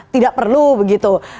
tidak perlu begitu